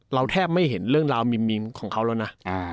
แทบไม่เห็นเรื่องราวมิมของเขาแล้วนะ